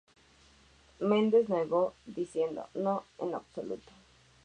Mendes negó, diciendo: "No, en absoluto.